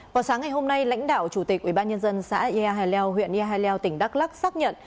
vào sáng ngày hôm nay lãnh đạo chủ tịch ubnd xã ia hà leo huyện ea hai leo tỉnh đắk lắc xác nhận